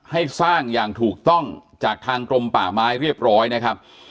ให้สร้างอย่างถูกต้องจากทางกรมป่าไม้เรียบร้อยนะครับ